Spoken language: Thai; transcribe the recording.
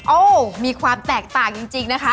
โอ้มีความแตกต่างจริงนะคะ